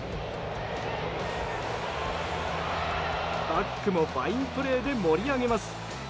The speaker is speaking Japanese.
バックもファインプレーで盛り上げます。